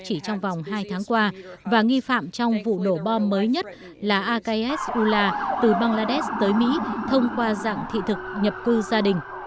chỉ trong vòng hai tháng qua và nghi phạm trong vụ nổ bom mới nhất là aks ula từ bangladesh tới mỹ thông qua dạng thị thực nhập cư gia đình